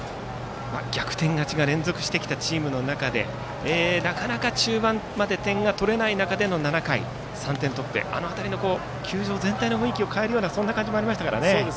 逆転勝ちが連続してきたチームの中でなかなか中盤まで点が取れない中での７回３点取ってあの辺りの球場全体の雰囲気を変えるような感じもありましたからね。